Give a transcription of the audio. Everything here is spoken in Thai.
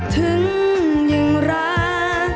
จริงยังรัก